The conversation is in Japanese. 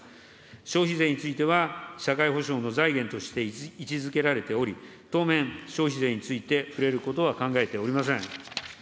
消費税については、社会保障の財源として位置づけられており、当面、消費税について触れることは考えておりません。